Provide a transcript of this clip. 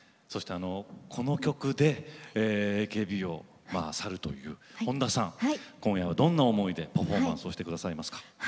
この曲でＡＫＢを去る本田さん、今夜はどんな思いでパフォーマンスをしてくださいますか。